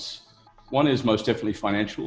yang pertama adalah secara finansial